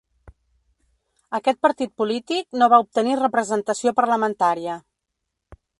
Aquest partit polític no va obtenir representació parlamentària.